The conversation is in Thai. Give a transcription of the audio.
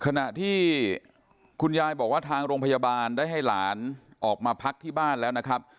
ขณะที่คุณยายบอกว่าทางโรงพยาบาลได้ให้หลานออกมาพักที่บ้านแล้วนะครับ